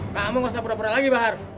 kamu gak usah berpura pura lagi pak har